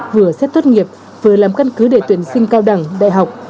vừa xét tốt nghiệp vừa làm căn cứ để tuyển sinh cao đẳng đại học